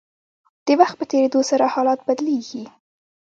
د وخت په تیریدو سره حالات بدلیږي.